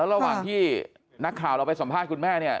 ระหว่างที่นักข่าวเราไปสัมภาษณ์คุณแม่เนี่ย